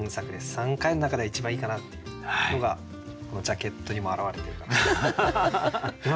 ３回の中では一番いいかなっていうのがこのジャケットにも表れてるかなと。